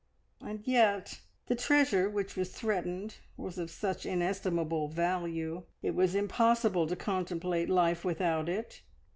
And yet the treasure which was threatened was of such inestimable value. It was impossible to contemplate life without it.